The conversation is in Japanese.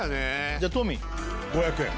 じゃあトミー５００円